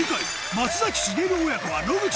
松崎しげる親子は